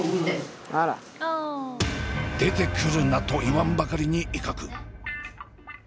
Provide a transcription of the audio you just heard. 「出てくるな！」と言わんばかりに威嚇。